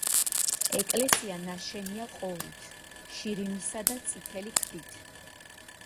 ეკლესია ნაშენია ყორით, შირიმისა და წითელი ქვით.